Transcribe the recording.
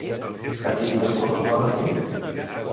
A quin lloc correspon avui?